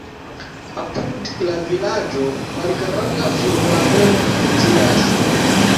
Apud la vilaĝo malgranda flughaveno funkcias.